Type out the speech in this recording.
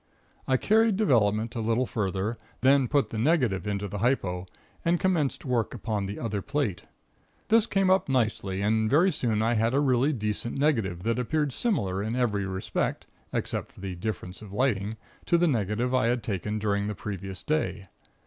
"I carried development a little further, then put the negative into the hypo, and commenced work upon the other plate. This came up nicely, and very soon I had a really decent negative that appeared similar in every respect (except for the difference of lighting) to the negative I had taken during the previous day.